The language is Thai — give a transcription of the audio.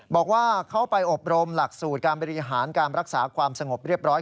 บอกว่าเขาไปอบรมหลักสูตรการบริหารการรักษาความสงบเรียบร้อย